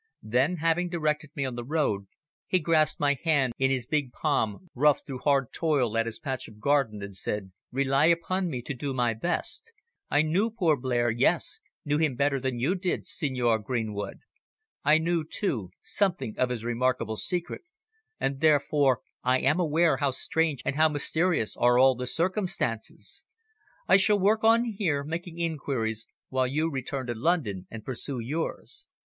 Then, having directed me on the road, he grasped my hand in his big palm, rough through hard toil at his patch of garden, and said "Rely upon me to do my best. I knew poor Blair yes, knew him better than you did, Signor Greenwood. I knew, too, something of his remarkable secret, and therefore I am aware how strange and how mysterious are all the circumstances. I shall work on here, making inquiries, while you return to London and pursue yours.